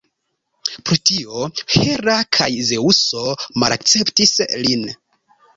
Pro tio, Hera kaj Zeŭso malakceptis lin.